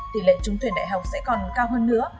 tỷ lệ trúng tuyển đại học sẽ còn cao hơn nữa